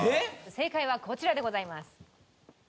正解はこちらでございます。